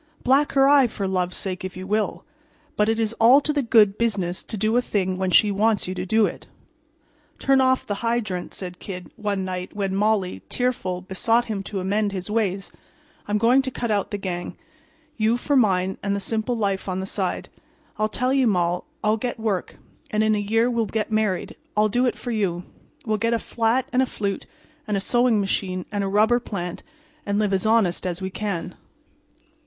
Black her eye for love's sake, if you will; but it is all to the good business to do a thing when she wants you to do it. "Turn off the hydrant," said the Kid, one night when Molly, tearful, besought him to amend his ways. "I'm going to cut out the gang. You for mine, and the simple life on the side. I'll tell you, Moll—I'll get work; and in a year we'll get married. I'll do it for you. We'll get a flat and a flute, and a sewing machine and a rubber plant and live as honest as we can."